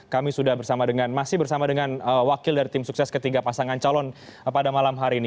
kami sudah bersama dengan masih bersama dengan wakil dari tim sukses ketiga pasangan calon pada malam hari ini